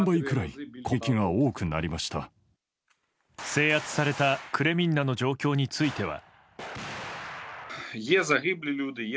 制圧されたクレミンナの状況については。